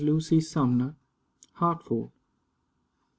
LUCY SUMNER. HARTFORD.